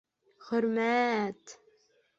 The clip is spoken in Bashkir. Хөрмә-әт!..